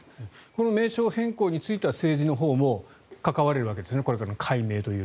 この名称変更については政治のほうも関われるわけですね